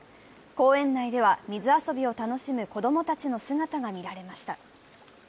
公園内では水遊びを楽しむ子供たちの姿が見られました。